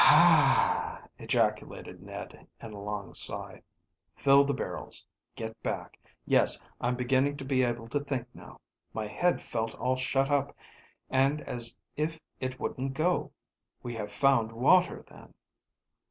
"Hah!" ejaculated Ned in a long sigh. "Fill the barrels get back. Yes, I'm beginning to be able to think now. My head felt all shut up and as if it wouldn't go. We have found water, then."